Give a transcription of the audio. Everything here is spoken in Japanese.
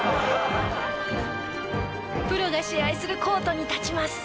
プロが試合するコートに立ちます。